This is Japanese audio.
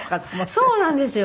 そうなんですよ。